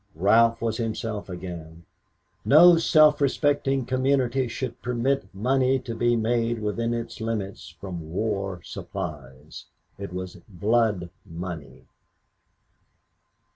Ralph was himself again. No self respecting community should permit money to be made within its limits from war supplies. It was blood money.